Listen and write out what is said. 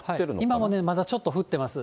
今もね、まだちょっと降ってます。